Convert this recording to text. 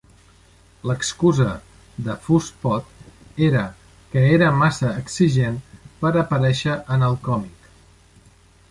L'excusa de Fuss Pot era que era massa exigent per aparèixer en el còmic.